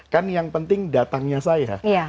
kan yang penting datangnya saya